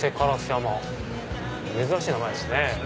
珍しい名前ですね。